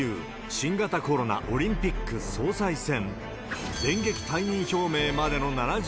新型コロナ、オリンピック、総裁選。